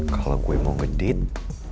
kalau gue mau ngedate